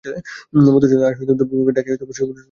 মধুসূদন আজ দৈবজ্ঞকে ডাকিয়ে শুভযাত্রার লগ্ন ঠিক করে রেখেছিল।